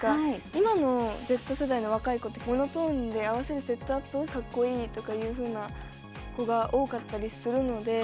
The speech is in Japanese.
今のＺ世代の若い子ってモノトーンで合わせるセットアップがかっこいいとかいうふうな子が多かったりするので。